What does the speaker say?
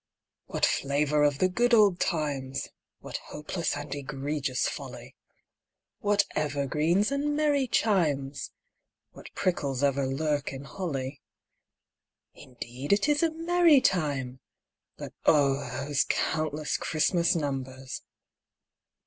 _) What flavour of the good old times! (What hopeless and egregious folly!) What evergreens and merry chimes! (What prickles ever lurk in holly!) Indeed it is a merry time; (_But O! those countless Christmas numbers!